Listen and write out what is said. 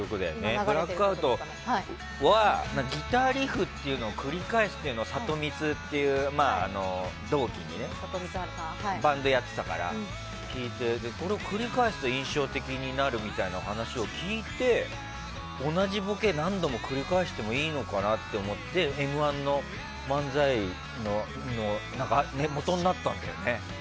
「ブラックアウト」はギターリフっていうのを繰り返してのサトミツっていう同期にバンドやってたから聞いて繰り返すと印象的になるみたいな話を聞いて同じボケを何度も繰り返していいのかなと思って「Ｍ‐１」の漫才のもとになったんだよね。